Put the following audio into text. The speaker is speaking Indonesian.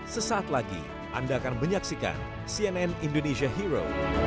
sesaat lagi anda akan menyaksikan cnn indonesia hero